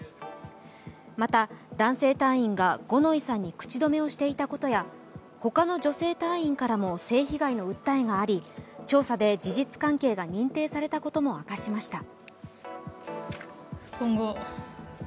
また、男性隊員が五ノ井さんに口止めをしていたことやほかの女性隊員からも性被害の訴えがあり、調査で事実関係が認定されたことも明かしました。